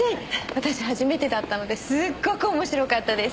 私初めてだったのですごくおもしろかったです。